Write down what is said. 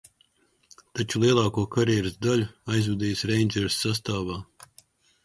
"Taču lielāko karjeras daļu aizvadījis "Rangers" sastāvā."